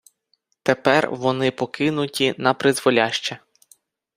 Тепер вони покинуті напризволяще.